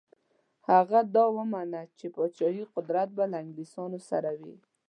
هغه دا ومنله چې پاچهي قدرت به له انګلیسیانو سره وي.